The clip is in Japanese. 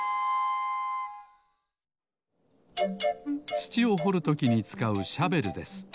つちをほるときにつかうシャベルです。